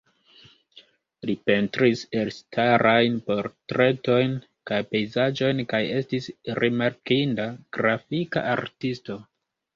Li pentris elstarajn portretojn kaj pejzaĝojn kaj estis rimarkinda grafika artisto.